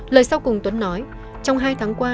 lời sau cùng tuấn nói trong hai tháng qua